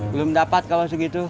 belum dapat kalau segitu